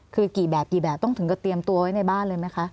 คือกี่แบบกี่แบบต้องถึงกับเตรียมตัวไว้ในบ้านเลยไหมคะ